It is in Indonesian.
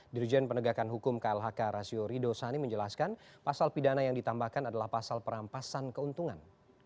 dirjen penegakan hukum klhk rasio rido sani menjelaskan pasal pidana yang ditambahkan adalah pasal perampasan keuntungan